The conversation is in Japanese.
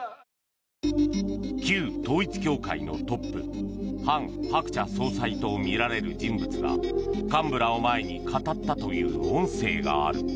旧統一教会のトップ韓鶴子総裁とみられる人物が幹部らを前に語ったという音声がある。